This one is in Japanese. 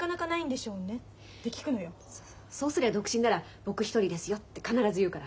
そうすりゃ独身なら「僕独りですよ」って必ず言うから。